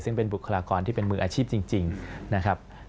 ซึ่งเป็นบุคลากรที่เป็นมืออาชีพจริงนะครับ